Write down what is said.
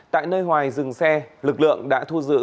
tại nơi hoài dừng xe lực lượng đã thu giữ